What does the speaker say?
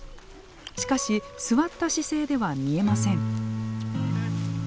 しかし座った姿勢では見えません。